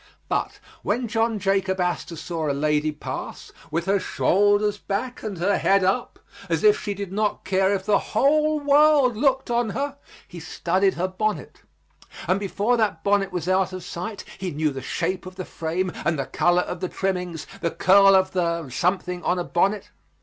But when John Jacob Astor saw a lady pass, with her shoulders back and her head up, as if she did not care if the whole world looked on her, he studied her bonnet; and before that bonnet was out of sight he knew the shape of the frame and the color of the trimmings, the curl of the something on a bonnet.